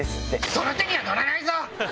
その手には乗らないぞ！